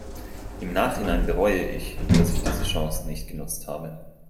Im Nachhinein bereue ich, dass ich diese Chance nicht genutzt habe.